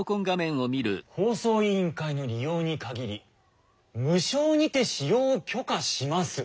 「放送委員会の利用に限り無償にて使用を許可します」。